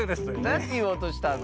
なんていおうとしたの？